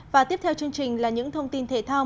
và tiếp theo chương trình là những thông tin thể thao